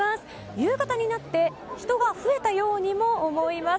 夕方になって人が増えたようにも思います。